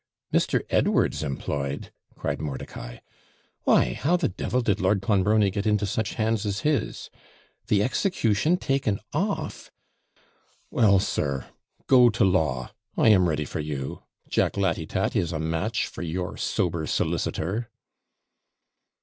'Mr. Edwards employed!' cried Mordicai. 'Why, how the devil did Lord Clonbrony get into such hands as his? The execution taken off! Well, sir, go to law I am ready for you; Jack Latitat is A MATCH for your sober solicitor.'